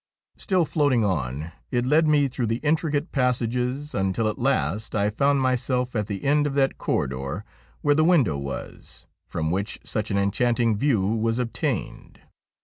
Still floating on it led me through the intricate passages until at last I found myself at the end of that corridor where the window was from which such an enchanting view was obtained.